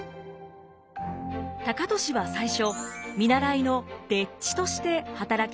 高利は最初見習いの丁稚として働き始めます。